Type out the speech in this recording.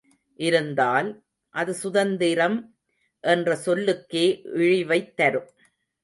இருந்தால், அது சுதந்திரம் என்ற சொல்லுக்கே இழிவைத் தரும்.